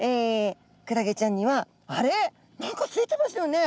クラゲちゃんにはあれっ？何かついてましたよね？